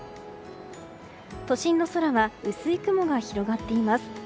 都心の空は薄い雲が広がっています。